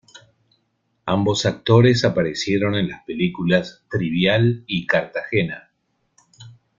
Ambos actores aparecieron en las películas "Trivial" y "Cartagena".